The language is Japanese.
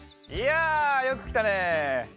いやよくきたね。